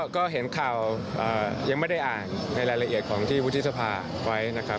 ก็เห็นข่าวยังไม่ได้อ่านในรายละเอียดของที่วุฒิสภาไว้นะครับ